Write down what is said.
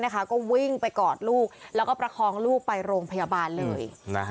ก็วิ่งไปกอดลูกแล้วก็ประคองลูกไปโรงพยาบาลเลย